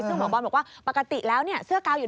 ซึ่งหมอบอลบอกว่าปกติแล้วเนี่ย